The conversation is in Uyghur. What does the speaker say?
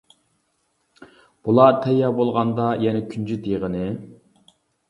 بۇلار تەييار بولغاندا، يەنە كۈنجۈت يېغىنى.